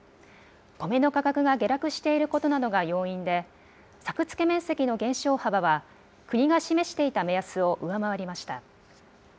コメの価格が下落していることなどが要因で、作付け面積の減少幅は国が示していた目安を上回りました。